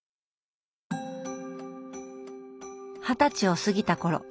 二十歳を過ぎた頃。